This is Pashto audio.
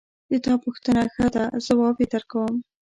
د تا پوښتنه ښه ده ځواب یې درکوم